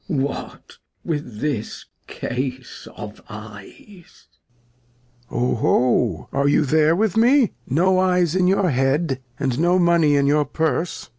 Glost. What ! with this Case of Eyes ? Lear. O ho! Are you there with me? No Eyes in your Head, and no Money in your Purse